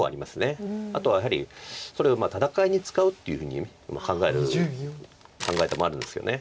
あとはやはりそれを戦いに使うっていうふうに考える考え方もあるんですよね。